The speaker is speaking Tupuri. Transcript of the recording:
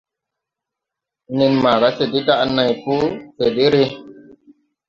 Nen maaga se de daʼ nãy po, se de re.